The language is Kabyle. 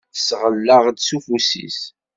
Tesɣel-aɣ-d s ufus-is.